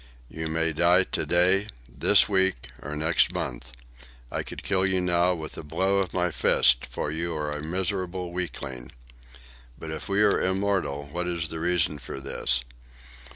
You may die to day, this week, or next month. I could kill you now, with a blow of my fist, for you are a miserable weakling. But if we are immortal, what is the reason for this?